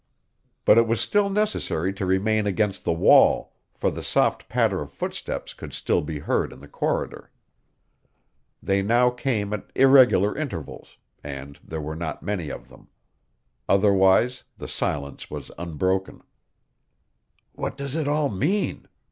But it was still necessary to remain against the wall, for the soft patter of footsteps could still be heard in the corridor. They now came at irregular intervals, and there were not many of them. Otherwise the silence was unbroken. "What does it all mean?"